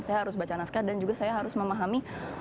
saya harus baca naskah dan juga saya harus memahami